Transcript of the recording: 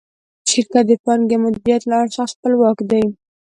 شرکت د پانګې او مدیریت له اړخه خپلواک دی.